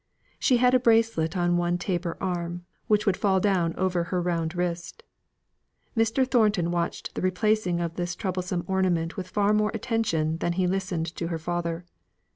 She had a bracelet on one taper arm, which would fall down over her round wrist. Mr. Thornton watched the replacing of this troublesome ornament with far more attention than he listened to her father.